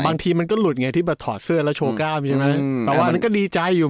แต่บางทีมันก็หลุดไงที่แบบถอดเสื้อแล้วโชว์กร้ำโอ้ใช่ไหม